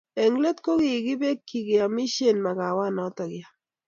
eng let, ko kikibekchi keomisien makawanoto ya